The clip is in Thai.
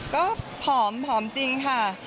ก็ผอมจริงค่ะ